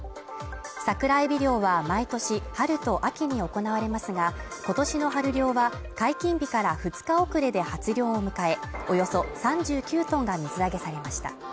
サクラエビ漁は毎年春と秋に行われますが、今年の春漁は解禁日から２日遅れで初漁を迎え、およそ３９ｔが水揚げされました。